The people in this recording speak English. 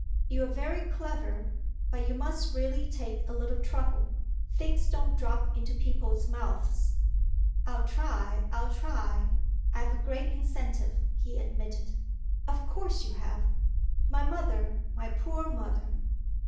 "You're very clever, but you must really take a little trouble. Things don't drop into people's mouths." "I'll try I'll try. I've a great incentive," he admitted. "Of course you have." "My mother, my poor mother."